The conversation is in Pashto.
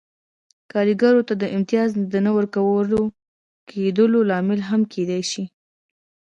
کارګرانو ته د امتیاز د نه ورکول کېدو لامل هم کېده.